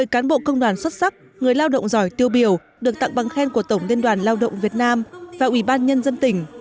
một mươi cán bộ công đoàn xuất sắc người lao động giỏi tiêu biểu được tặng bằng khen của tổng liên đoàn lao động việt nam và ủy ban nhân dân tỉnh